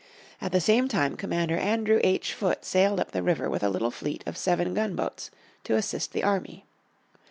At the same time Commander Andrew H. Foote sailed up the river with a little fleet of seven gunboats to assist the army.